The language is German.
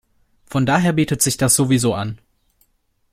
Von daher bietet sich das sowieso an.